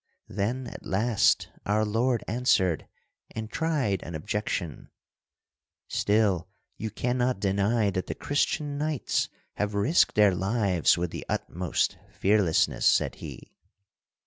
Then, at last, our Lord answered, and tried an objection: 'Still, you can not deny that the Christian knights have risked their lives with the utmost fearlessness,' said He."